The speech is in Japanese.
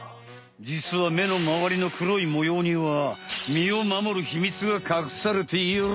じつは目のまわりの黒いもようには身を守るヒミツがかくされている！